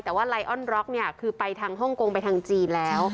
แต่ว่าไลออนร็อกเนี่ยคือไปทางฮ่องกงไปทางจีนแล้ว